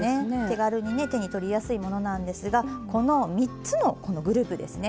手軽に手にとりやすいものなんですがこの３つのグループですね